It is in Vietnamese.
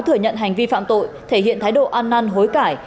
thừa nhận hành vi phạm tội thể hiện thái độ ăn năn hối cải